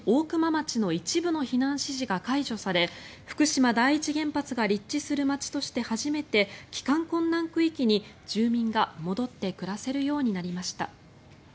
町の一部の避難指示が解除され福島第一原発が立地する町として初めて帰還困難区域に住民が戻って暮らせるようになりました。